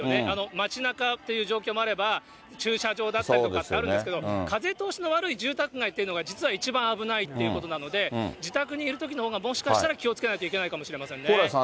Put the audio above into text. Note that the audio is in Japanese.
街なかっていう状況もあれば、駐車場だったりとかもあるんですけど、風通しの悪い住宅街っていうのが、実は一番危ないっていうことなので、自宅にいるときのほうが、もしかしたら気をつけないといけないかもしれないですね。